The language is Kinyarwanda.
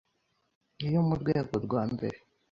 yo mu rwego rwa mbere